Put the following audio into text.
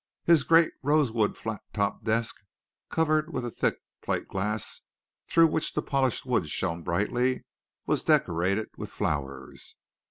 His great rosewood flat topped desk, covered with a thick, plate glass through which the polished wood shone brightly, was decorated with flowers.